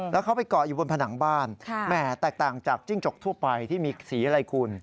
แล้วเขาไปเกาะอยู่บนผนังบ้านแหมแตกต่างจากจิ้งจกทั่วไปที่มีสีอะไรคุณ